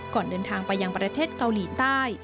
เดินทางไปยังประเทศเกาหลีใต้